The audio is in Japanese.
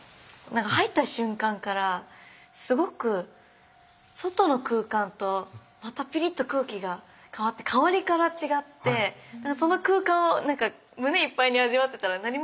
何か入った瞬間からすごく外の空間とまたピリッと空気が変わって香りから違ってその空間を胸いっぱいに味わってたら何もお願いしてなくて。